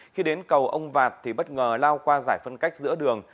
khi đến cầu ông vạt thì bất ngờ lao qua giải phân cách giữa đường